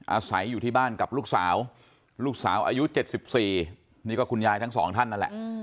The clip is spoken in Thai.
อาศัยอยู่ที่บ้านกับลูกสาวลูกสาวอายุ๗๔นี่ก็คุณยายทั้งสองท่านนั่นแหละ